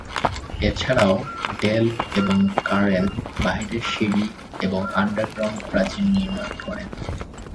এছাড়াও ডেল এবং কারেন বাইরের সিঁড়ি এবং আন্ডারগ্রাউন্ড প্রাচীর নির্মাণ করেন।